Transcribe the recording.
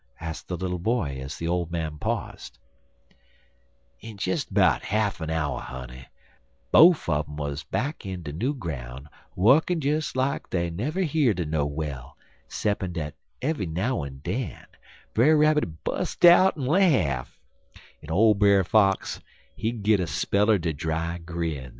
asked the little boy, as the old man paused. "In des 'bout half 'n hour, honey, bofe un um wuz back in de new groun' wukkin' des like dey never heer'd er no well, ceppin' dat eve'y now'n den Brer Rabbit'd bust out in er laff, en old Brer Fox, he'd git a spell er de dry grins."